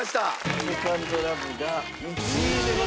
『セカンド・ラブ』が１位でございました。